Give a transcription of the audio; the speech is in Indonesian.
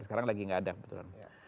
sekarang lagi tidak ada